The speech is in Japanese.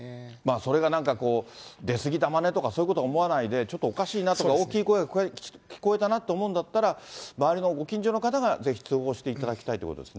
それがなんかこう、出過ぎたまねとか、そういうこと思わないで、ちょっとおかしいなとか、大きい声が聞こえたなとか思うんだったら、周りのご近所の方がぜひ通報していただきたいということですね。